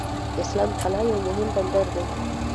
اسلام قلعه یو مهم بندر دی.